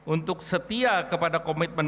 untuk setia kepada komitmen